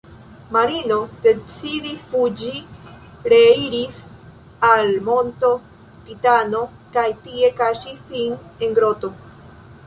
Marino decidis fuĝi, reiris al Monto Titano kaj tie kaŝis sin en groto.